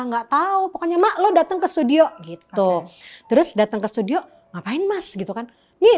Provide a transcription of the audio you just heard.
nggak tahu pokoknya mak lo datang ke studio gitu terus datang ke studio ngapain mas gitu kan nih